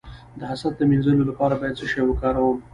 د حسد د مینځلو لپاره باید څه شی وکاروم؟